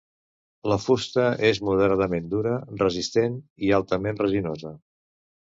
La fusta és moderadament dura, resistent i altament resinosa.